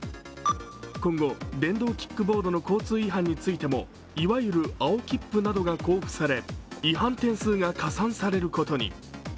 今後、電動キックボードの交通違反についても、いわゆる青切符などが交付され、違反点数が加算されることに。